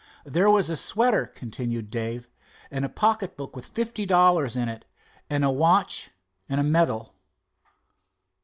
"There was a sweater," continued Dave, "and a pocket book with fifty dollars in it, and a watch and a medal."